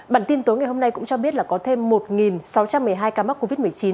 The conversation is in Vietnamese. bản tin tối ngày hôm nay cũng cho biết là có thêm một sáu trăm một mươi hai ca mắc covid một mươi chín